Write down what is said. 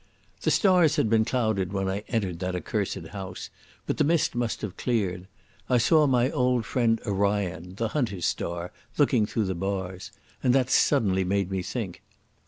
The stars had been clouded when I entered that accursed house, but the mist must have cleared. I saw my old friend Orion, the hunter's star, looking through the bars. And that suddenly made me think.